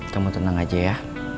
kamu tenang aja ya